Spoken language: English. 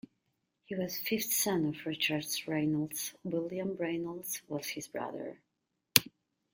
He was fifth son of Richard Rainolds; William Rainolds was his brother.